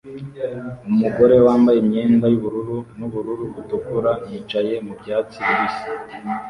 Umugore yambaye imyenda yubururu nubururu butukura yicaye mu byatsi bibisi